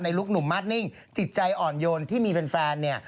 ลุคหนุ่มมาสนิ่งจิตใจอ่อนโยนที่มีแฟนเนี่ย